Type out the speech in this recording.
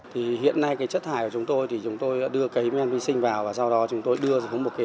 thì hiện nay cái chất thải của chúng tôi thì chúng tôi đưa cái men vi sinh vào và sau đó chúng tôi đưa